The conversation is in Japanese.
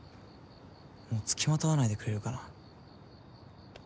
もう付きまとわないでくれるかな？